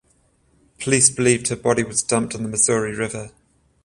Police believed her body was dumped in the Missouri River.